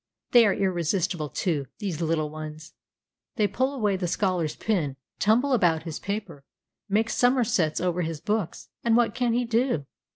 They are irresistible, too, these little ones. They pull away the scholar's pen, tumble about his paper, make somersets over his books; and what can he do?